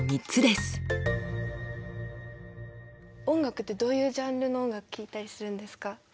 音楽ってどういうジャンルの音楽聴いたりするんですか？